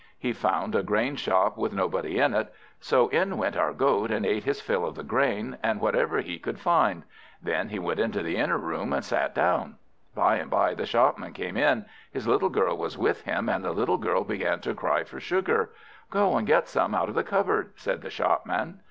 He found a grain shop with nobody in it; so in went our Goat, and ate his fill of the Grain, and whatever he could find. Then he went into the inner room, and sat down. By and by the shopman came in; his little girl was with him, and the little girl began to cry for sugar. "Go and get some out of the cupboard," said the shopman.